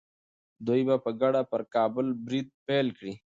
دوی به په ګډه پر کابل برید پیل کړي.